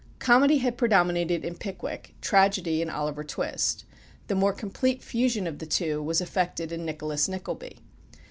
Comedy had predominated in "Pickwick," tragedy in "Oliver Twist." The more complete fusion of the two was effected in "Nicholas Nickleby."